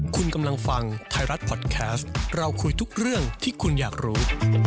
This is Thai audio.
คุณกำลังฟังไทยรัฐพอดแคสต์เราคุยทุกเรื่องที่คุณอยากรู้